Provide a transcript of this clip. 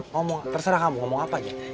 ngomong terserah kamu ngomong apa aja